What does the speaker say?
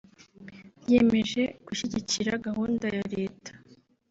ryiyemeje gushyigikira gahunda ya Leta